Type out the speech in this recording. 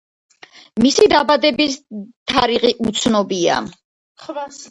მისი დაბადების თარიღი უცნობია.